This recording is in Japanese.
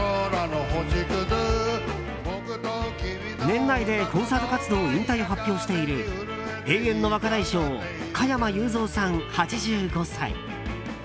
年内でコンサート活動引退を発表している永遠の若大将加山雄三さん、８５歳。